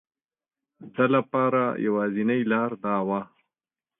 ده لپاره یوازینی لاره دا وه.